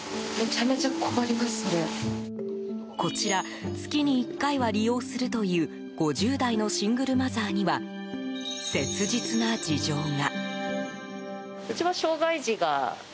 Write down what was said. こちら月に１回は利用するという５０代のシングルマザーには切実な事情が。